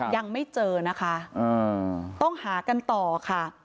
ยังไม่เจอนะคะต้องหากันต่อค่ะ